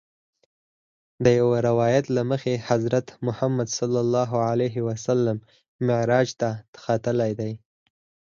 د یوه روایت له مخې حضرت محمد صلی الله علیه وسلم معراج ته ختلی.